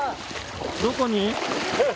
どこに？